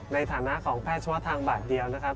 ในฐานะของแพทย์เฉพาะทางบาทเดียวนะครับ